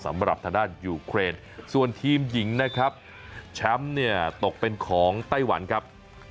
สำหรับทางด้านยูเครนส่วนทีมหญิงนะครับแชมป์เนี่ยตกเป็นของไต้หวันครับ